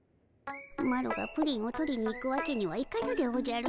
マロがプリンを取りに行くわけにはいかぬでおじゃる。